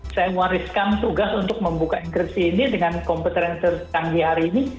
saya mewariskan tugas untuk membuka enkripsi ini dengan komputer yang terkandil hari ini